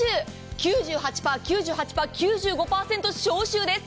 ９８％、９８％、９５％消臭です。